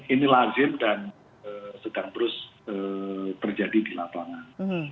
ini lazim dan sedang terus terjadi di lapangan